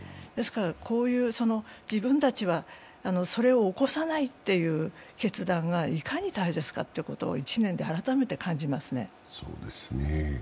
こういう自分たちはそれを起こさないという決断がいかに大切かということを１年で改めて感じますね。